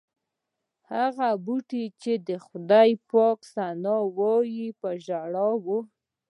هغه بوټي چې د خدای پاک ثنا وایي په ژړا و.